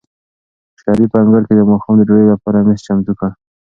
شریف په انګړ کې د ماښام د ډوډۍ لپاره مېز چمتو کړ.